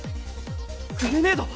グレネード！？